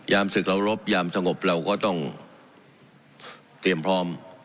ศึกเรารบยามสงบเราก็ต้องเตรียมพร้อม